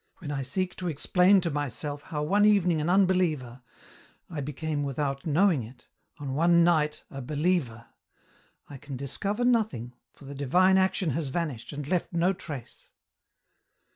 When I seek to explain to myself how one evening an unbeliever, I became without knowing it, on one night a believer, I can discover nothing, for the divine action has vanished, and left no trace.